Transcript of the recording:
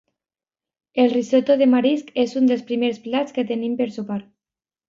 El risotto de marisc és un dels primers plats que tenim per sopar.